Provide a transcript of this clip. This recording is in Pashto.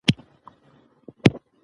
دا دښتې د طبیعي زیرمو برخه ده.